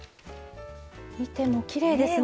見てもきれいですね。